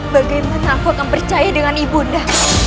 bagaimana takut akan percaya dengan ibunda